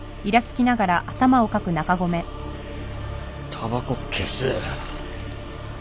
たばこ消せよ。